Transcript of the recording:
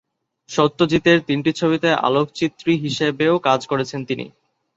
সত্যজিতের তিনটি ছবিতে আলোকচিত্রী হিসেবেও কাজ করেছেন তিনি।